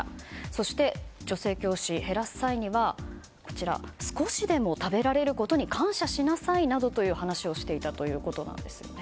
そして、女性教師は減らす際には少しでも食べられることに感謝しなさいなどという話をしていたということです。